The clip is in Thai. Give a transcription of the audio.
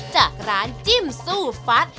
จากร้านจิ้มซู่ฟัด